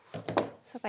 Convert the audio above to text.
そっか。